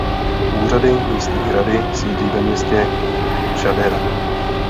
Úřady místní rady sídlí ve městě Chadera.